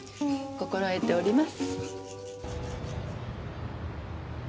心得ております。